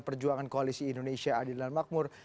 perjuangan koalisi indonesia adil dan makmur